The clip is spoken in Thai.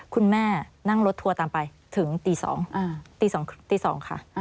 คุณแม่นั่งรถทัวร์ตามไปถึงตี๒ตี๒ตี๒ค่ะ